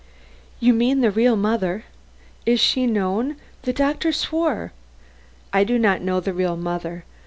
"You mean the real mother. Is she known? The doctor swore " "I do not know the real mother.